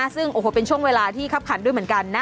ซึ่งโอ้โหเป็นช่วงเวลาที่คับขันด้วยเหมือนกันนะ